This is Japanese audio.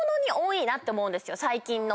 最近の。